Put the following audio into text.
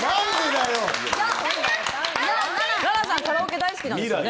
カラオケ大好きですよね。